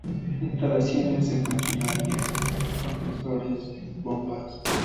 Instalación de maquinaria, Compresores, Bombas.